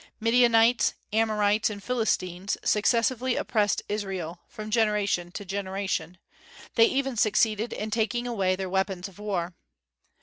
Midianites, Amorites, and Philistines successively oppressed Israel, from generation to generation; they even succeeded in taking away their weapons of war.